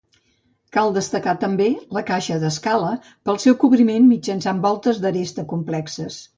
Cal destacar també la caixa d'escala pel seu cobriment mitjançant voltes d'aresta complexes.